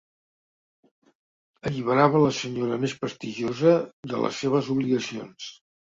Alliberava la senyora més prestigiosa de les seves obligacions.